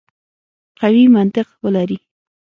قوي منطق ولري.